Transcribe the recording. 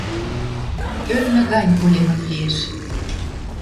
Ӧрмӹ гань Поленов лиэш.